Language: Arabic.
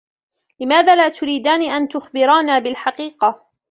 لماذا لا تريدان أن تخبرانا بالحقيقة؟